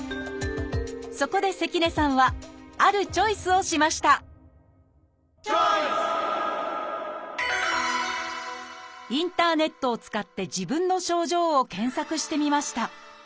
そこで関根さんはあるチョイスをしましたインターネットを使って自分の症状を検索してみました。